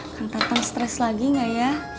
kan tetang stress lagi gak ya